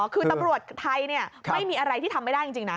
คือตำรวจไทยไม่มีอะไรที่ทำไม่ได้จริงนะ